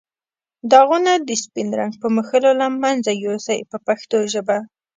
داغونه د سپین رنګ په مښلو له منځه یو سئ په پښتو ژبه.